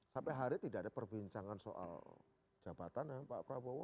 sampai hari tidak ada perbincangan soal jabatan dengan pak prabowo